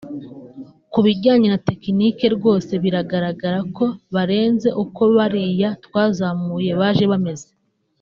ku bijyanye na tekinike rwose biragaragara ko barenze uko bariya twazamuye baje bameze